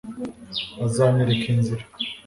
uzanyereka inzira